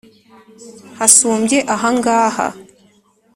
hasumbye ahangaha”